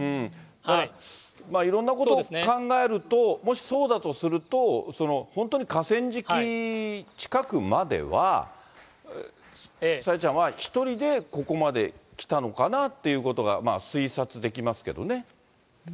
いろんなことを考えると、もしそうだとすると、本当に河川敷近くまでは、朝芽ちゃんは１人でここまで来たのかなっていうことが、推察できますけどね。